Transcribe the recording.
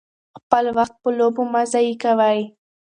خپل وخت په لوبو مه ضایع کوئ.